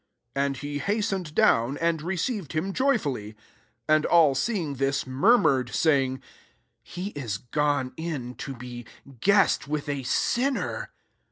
6 And he hastened down ; and received him joyfully. 7 And all seeing this, murmured, saying, "He is gone in, to be guest with a sinner."